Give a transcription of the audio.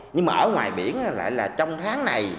nhưng mà ở ngoài biển lại là trong tháng này